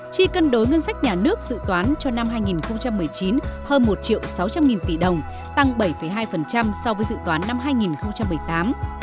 chi cân đối ngân sách nhà nước dự toán cho năm hai nghìn một mươi chín hơn một sáu trăm linh nghìn tỷ đồng tăng bảy hai so với dự toán năm hai nghìn một mươi tám